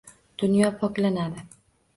Dunyo poklanadi